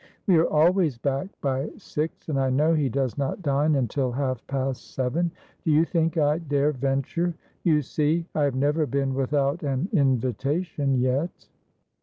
We are always back by six, and I know he does not dine until half past seven. Do you think I dare venture? You see, I have never been without an invitation yet."